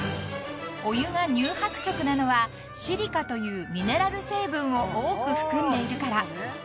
［お湯が乳白色なのはシリカというミネラル成分を多く含んでいるから］